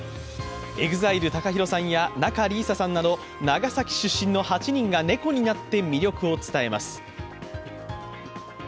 ＥＸＩＬＥＴＡＫＡＨＩＲＯさんや、仲里依紗さんなど長崎出身の８人が猫になって魅力を伝えます。